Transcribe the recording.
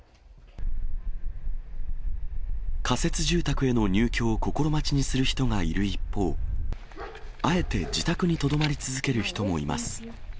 仮設住宅への入居を心待ちにする人がいる一方、あえて自宅にとどまり続ける人もいます。